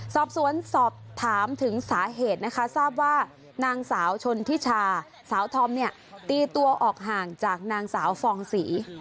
สอบสวนสอบถามถึงสาเหตุนะคะทราบว่านางสาวชนทิชาสาวธอมเนี่ยตีตัวออกห่างจากนางสาวฟองศรี